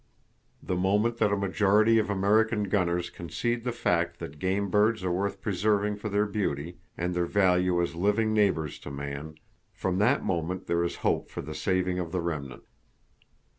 The moment that a majority of American gunners concede the fact that game birds are worth preserving for their beauty, and their value as living neighbors to man, from that moment there is hope for the saving of the Remnant.